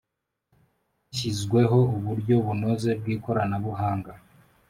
Hashyizweho uburyo bunoze bw ikoranabuhanga